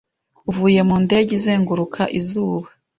uvuye mu ndege izenguruka izuba